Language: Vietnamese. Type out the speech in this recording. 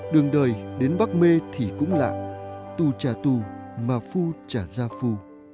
đường đời đến bắc mê thì cũng lạ tu trà tu mà phu trà ra phu